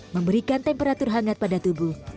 memberikan temperatur hangat pada tubuh